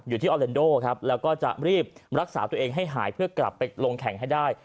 ออเลนโดครับแล้วก็จะรีบรักษาตัวเองให้หายเพื่อกลับไปลงแข่งให้ได้